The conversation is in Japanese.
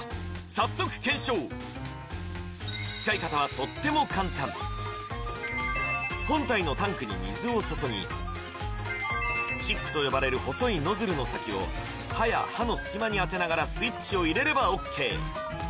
早速検証使い方はとっても簡単本体のタンクに水を注ぎチップと呼ばれる細いノズルの先を歯や歯の隙間に当てながらスイッチを入れればＯＫ